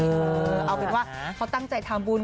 เอาเป็นว่าเขาตั้งใจทำบุญ